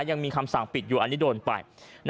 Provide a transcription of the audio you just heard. ยังมีคำสั่งปิดอยู่อันนี้โดนไป